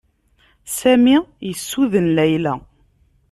Sami yessuden Layla.